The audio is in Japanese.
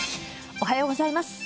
おはようございます。